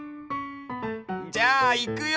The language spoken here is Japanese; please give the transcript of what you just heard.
じゃあいくよ。